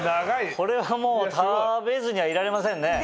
これはもう食べずにはいられませんね。